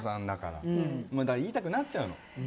だから言いたくなっちゃうの。